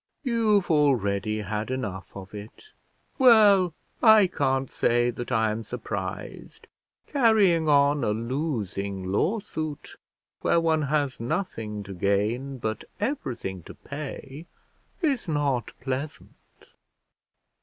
"You've already had enough of it; well, I can't say that I am surprised; carrying on a losing lawsuit where one has nothing to gain, but everything to pay, is not pleasant."